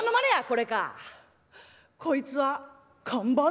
「これかこいつは看板だ」。